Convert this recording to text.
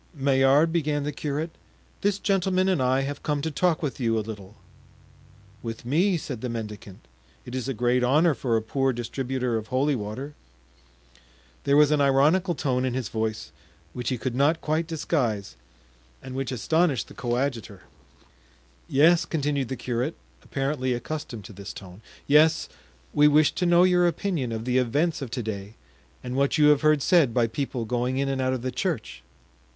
"Maillard," began the curate, "this gentleman and I have come to talk with you a little." "With me!" said the mendicant; "it is a great honor for a poor distributor of holy water." There was an ironical tone in his voice which he could not quite disguise and which astonished the coadjutor. "Yes," continued the curate, apparently accustomed to this tone, "yes, we wish to know your opinion of the events of to day and what you have heard said by people going in and out of the church."